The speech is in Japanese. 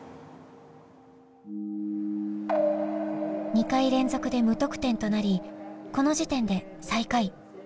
２回連続で無得点となりこの時点で最下位。